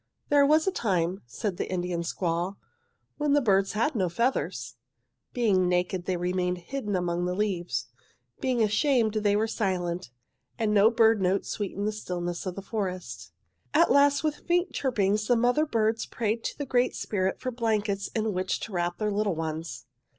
"'There was a time,' said the Indian squaw, 'when the birds had no feathers. "'Being naked, they remained hidden among the leaves. Being ashamed they were silent, and no bird note sweetened the stillness of the forest. "'At last with faint chirpings the mother birds prayed the Great Spirit for blankets in which to wrap their little ones.